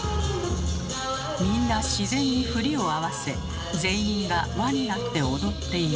みんな自然に振りを合わせ全員が輪になって踊っている。